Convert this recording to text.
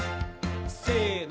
せの。